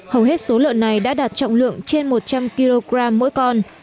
hầu hết số lợn này đã đạt trọng lượng trên một trăm linh kg mỗi con